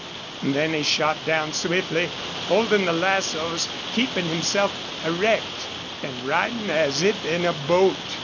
Then he shot down swiftly, holding the lassoes, keeping himself erect, and riding as if in a boat.